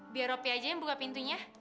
biar ropi aja yang buka pintunya